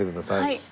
はい。